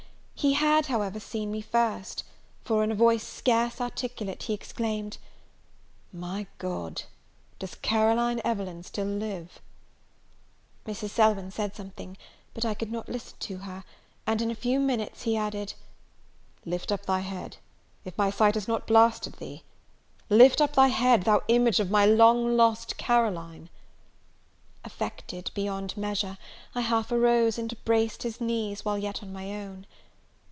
He had, however, seen me first; for, in a voice scarce articulate, he exclaimed, "My God! does Caroline Evelyn still live!" Mrs. Selwyn said something, but I could not listen to her; and in a few minutes he added, "Lift up thy head if my sight has not blasted thee! lift up thy head, thou image of my long lost Caroline!" Affected beyond measure, I half arose, and embraced his knees, while yet on my own.